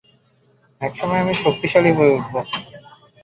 একসময় আমি শক্তিশালী হয়ে উঠবো।